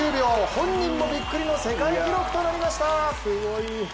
本人もびっくりの世界記録となりました。